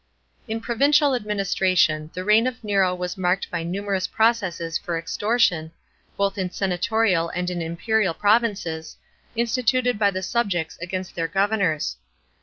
§ 26. In provincial administration the reign of Nero was marked by numerous processes for extortion, both in senatorial and in imperial provinces, instituted by the subjects against their governors.